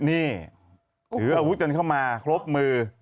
นี่ถืออาวุธกันเข้ามาครบมือ